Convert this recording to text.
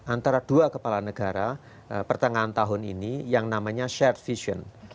antara dua kepala negara pertengahan tahun ini yang namanya share vision